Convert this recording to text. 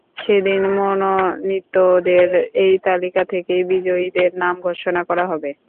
সেদিন মনোনীতদের এই তালিকা থেকেই বিজয়ীদের নাম ঘোষণা করা হবে।